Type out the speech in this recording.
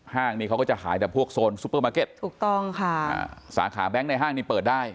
ห้างนี้เขาก็จะขายแต่พวกโซนซุปเปอร์มาร์เก็ตถูกต้องค่ะอ่าสาขาแบงค์ในห้างนี้เปิดได้